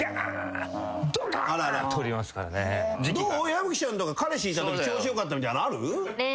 矢吹ちゃんとか彼氏いたとき調子良かったみたいなのある？